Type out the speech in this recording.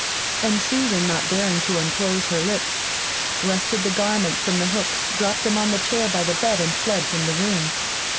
And Susan, not daring to unclose her lips, wrested the garments from the hooks, dropped them on to the chair by the bed, and fled from the room.